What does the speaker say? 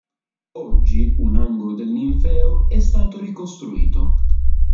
Oggi un angolo del ninfeo è stato ricostruito.